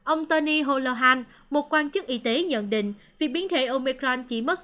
ông tony holohan một quan chức y tế nhận định việc biến thể omicron chỉ mất